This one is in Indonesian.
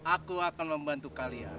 aku akan membantu kalian